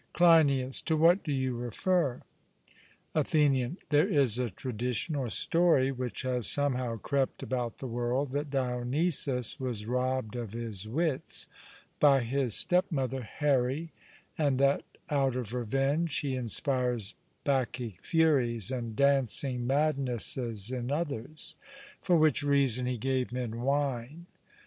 CLEINIAS: To what do you refer? ATHENIAN: There is a tradition or story, which has somehow crept about the world, that Dionysus was robbed of his wits by his stepmother Here, and that out of revenge he inspires Bacchic furies and dancing madnesses in others; for which reason he gave men wine.